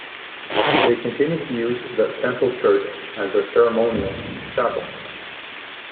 They continue to use the Temple church as their ceremonial chapel.